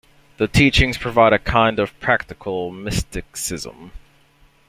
The teachings provide a kind of practical mysticism.